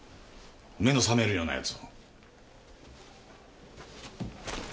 目の覚めるようなヤツを。